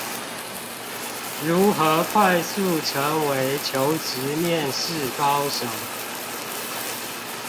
如何快速成為求職面試高手